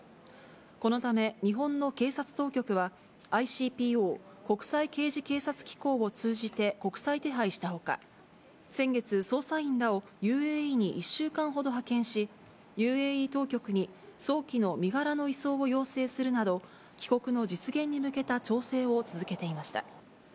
このため、日本の警察当局は、ＩＣＰＯ・国際刑事警察機構を通じて国際手配したほか、先月、捜査員らをＵＡＥに１週間ほど派遣し、ＵＡＥ当局に、早期の身柄の移送を要請するなど、帰国の実現に向けた調整を続けていました。